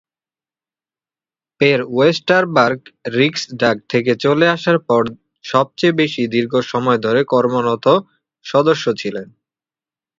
পের Westerberg Riksdag থেকে চলে আসার পর সবচেয়ে দীর্ঘ সময় ধরে কর্মরত সদস্য ছিলেন।